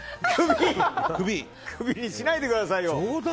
クビにしないでくださいよ。